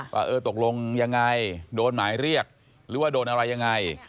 ว่าเออตกลงยังไงโดนหมายเรียกหรือว่าโดนอะไรยังไง